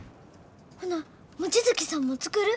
ほな望月さんも作る？